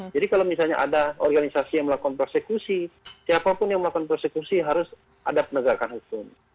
jadi kalau misalnya ada organisasi yang melakukan persekusi siapapun yang melakukan persekusi harus ada penegakan hukum